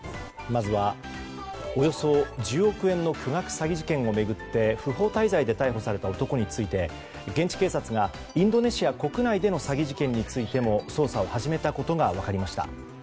まずは、およそ１０億円の巨額詐欺事件を巡って不法滞在で逮捕された男について現地警察がインドネシア国内での詐欺事件についても捜査を始めたことが分かりました。